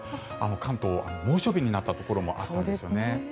関東は猛暑日になったところもあったんですよね。